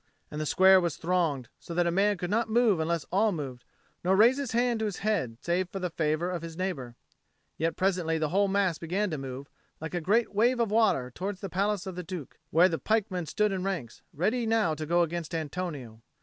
And the square was thronged, so that a man could not move unless all moved, nor raise his hand to his head save by the favour of his neighbour. Yet presently the whole mass began to move, like a great wave of water, towards the Palace of the Duke, where the pikemen stood in ranks, ready now to go against Antonio.